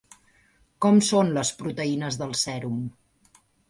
Com són les proteïnes del sèrum?